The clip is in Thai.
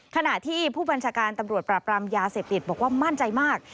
ขณะที่ผู้บัญชาการตำรวจปราบรามยาเสพติดบอกว่ามั่นใจมาก